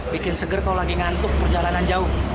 bikin seger kalau lagi ngantuk perjalanan jauh